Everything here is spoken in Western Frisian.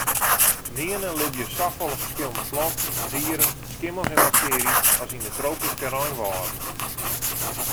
Nearne libje safolle ferskillende planten, dieren, skimmels en baktearjes as yn de tropyske reinwâlden.